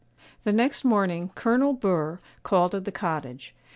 The next morning, Colonel Burr called at the cottage.